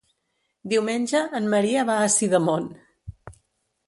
Diumenge en Maria va a Sidamon.